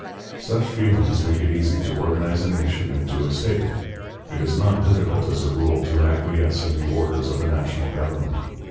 Such feelings make it easy to organize a nation into a state. It is not difficult, as a rule, to acquiesce in the orders of a national government.